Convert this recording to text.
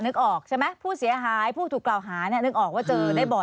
นึกออกใช่ไหมผู้เสียหายผู้ถูกกล่าวหาเนี่ยนึกออกว่าเจอได้บ่อย